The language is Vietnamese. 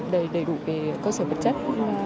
đầy đủ về cơ sở vật chất